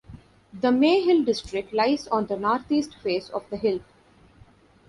The Mayhill district lies on the northeast face of the hill.